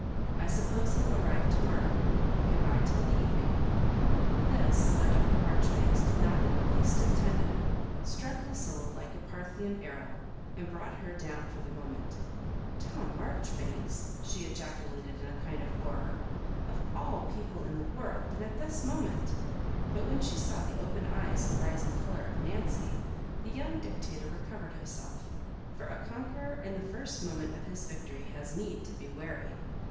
I suppose he'll arrive to morrow. Good bye till the evening." This, though Dr. Marjoribanks did not in the least intend it, struck Lucilla like a Parthian arrow, and brought her down for the moment. "Tom Marjoribanks I" she ejaculated in a kind of horror. *' Of all people in the world, and nt this moment I" but when she saw the open eyes and rising colour of Nancy, the young dictator Digitized by VjOOQIC 1 MISS MABJOEIBANKS. 13 recovered herself— for a conqueror in the first moment of his victory has need to be wary.